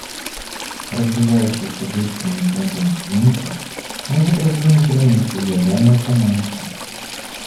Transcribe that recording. Развивающаяся быстрыми темпами Индия может раздвинуть границы глобальной экономики.